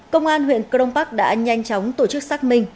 công an huyện cron park đã nhanh chóng tổ chức xác minh